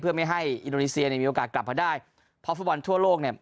เพื่อไม่ให้อินโดนีเซียเนี่ยมีโอกาสกลับมาได้เพราะฟุตบอลทั่วโลกเนี่ย